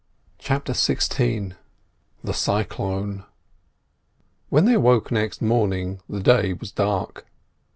CHAPTER XVI THE CYCLONE When they awoke next morning the day was dark.